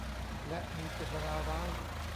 และมีเจตนาร้าย